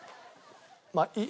まあいい。